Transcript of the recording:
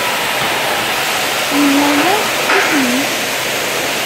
Inna-yas: Isem-ik?